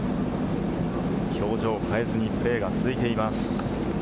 表情を変えずにプレーが続いています。